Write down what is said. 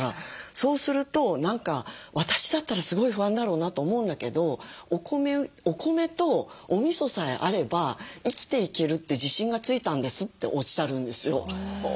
そうすると何か私だったらすごい不安だろうなと思うんだけど「お米とおみそさえあれば生きていけるって自信がついたんです」っておっしゃるんですよ。